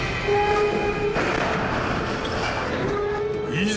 いざ！